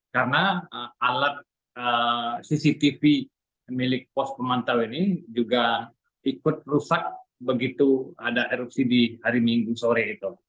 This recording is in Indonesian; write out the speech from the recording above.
karena alat cctv milik pos pemantauan ini juga ikut rusak begitu ada erupsi di hari minggu sore itu